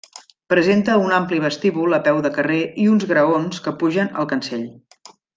Presenta un ampli vestíbul a peu de carrer i uns graons que pugen al cancell.